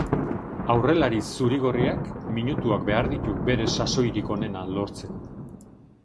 Aurrelari zuri-gorriak minutuak behar ditu bere sasoirik onena lortzeko.